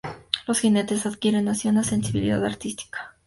Los jinetes adquieren así una sensibilidad artística.